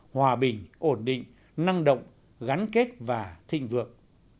hòa bình ổn định năng động gắn kết và thịnh vượng